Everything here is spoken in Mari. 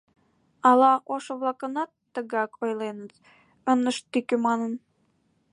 Ала ошо-влакланат тыгак ойленыт, ынышт тӱкӧ манын?..